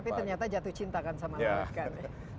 tapi ternyata jatuh cinta kan sama orang kan